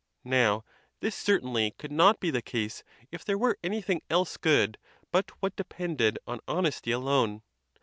Now, this certainly could not be the case if there were anything else good but what depended on honesty alone.